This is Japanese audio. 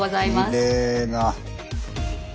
きれいな。